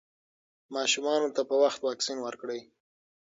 ماشومانو ته په وخت واکسین ورکړئ.